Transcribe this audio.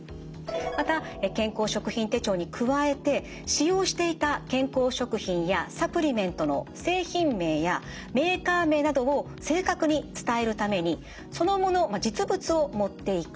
また健康食品手帳に加えて使用していた健康食品やサプリメントの製品名やメーカー名などを正確に伝えるためにそのもの実物を持っていく。